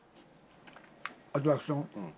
アトラクション？